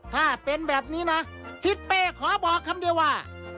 ถ้าเป็นแบบนี้นะทิศเป้ขอบอกคำเดียวว่า